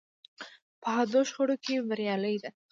په حادو شخړو کې بریالۍ ده.